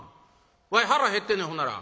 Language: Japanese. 「わい腹減ってんねんほんなら。